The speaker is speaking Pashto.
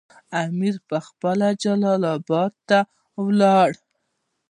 امیر پخپله جلال اباد ته ولاړ.